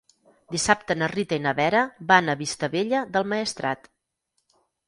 Dissabte na Rita i na Vera van a Vistabella del Maestrat.